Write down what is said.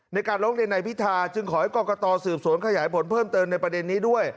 ในการร้องเรียนในพิธาจึงขอให้กรกตสืบสวนขยายผลเพิ่มเติมในประเด็นนี้ด้วย